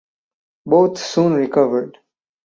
Both soon recovered.